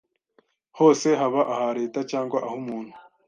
hose haba aha Leta cyangwa ah umuntu